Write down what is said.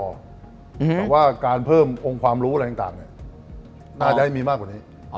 แต่ว่าการเพิ่มองค์ความรู้อะไรต่างน่าจะให้มีมากกว่านี้